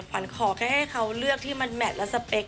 ขวัญขอแค่ให้เขาเลือกที่มันแมทและสเปค